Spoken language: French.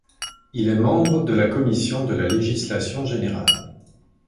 Il est membre de la commission de la législation générale.